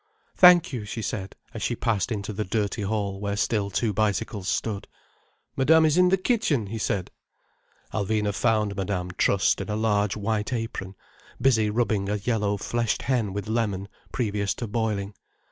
"Thank you," she said, as she passed into the dirty hall where still two bicycles stood. "Madame is in the kitchen," he said. Alvina found Madame trussed in a large white apron, busy rubbing a yellow fleshed hen with lemon, previous to boiling.